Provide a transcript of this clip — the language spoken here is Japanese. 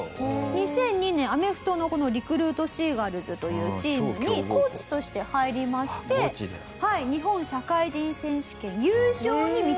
２００２年アメフトのこのリクルートシーガルズというチームにコーチとして入りまして日本社会人選手権優勝に導いてるんです。